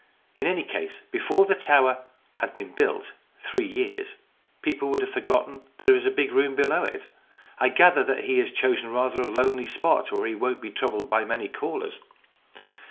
In any case, before the tower had been built three years, people would have forgotten that there is this big room below it. I gather that he has chosen rather a lonely spot where he won't be troubled by many callers."